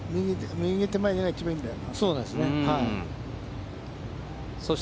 右手前が一番いいんだよ。